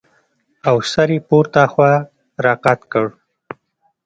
او سر يې پورته خوا راقات کړ.